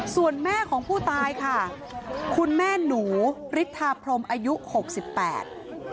ส่วนแม่ของผู้ตายค่ะคุณแม่หนูฤทธาพรมอายุหกสิบแปด